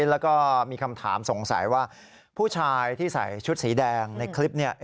แล้วก็มีคำถามสงสัยว่าผู้ชายที่ใส่ชุดสีแดงในคลิปนี้